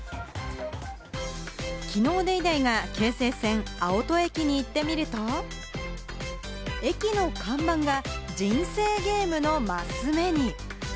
きのう『ＤａｙＤａｙ．』が京成線青砥駅に行ってみると、駅の看板が『人生ゲーム』のマス目に。